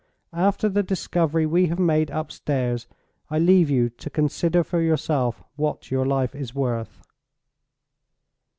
_ After the discovery we have made upstairs, I leave you to consider for yourself what your life is worth."